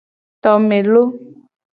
Tome lo.